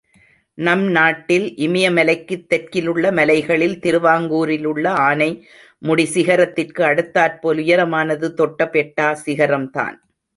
நம் நாட்டில் இமயமலைக்குத் தெற்கிலுள்ள மலைகளில், திருவாங்கூரிலுள்ள ஆனை முடி சிகரத்திற்கு அடுத்தாற்போல் உயரமானது தொட்டபெட்டா சிகரம்தான்.